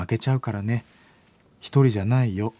１人じゃないよ。